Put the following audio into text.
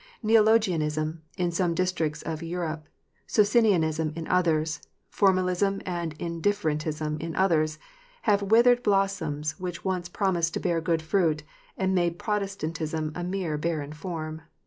Neologianism in some districts of Europe, Socinianism in others, formalism and indifferentism in others, have withered blossoms which once promised to bear good fruit, and made Protestantism a mere barren form.